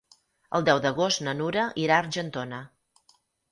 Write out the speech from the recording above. El deu d'agost na Nura irà a Argentona.